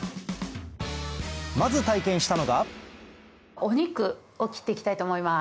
まず体験したのがお肉を切っていきたいと思います。